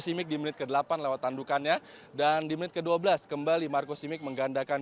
simic di menit ke delapan lewat tandukannya dan di menit ke dua belas kembali marco simic menggandakan